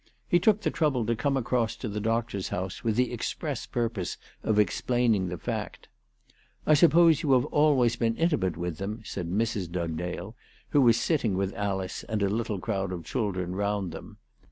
He took the trouble to come across to the doctor's house with the express purpose of ex plaining the fact. " I suppose you have always been intimate with them," said Mrs. Dugdale, who was sit ting with Alice and a little crowd of the children round them.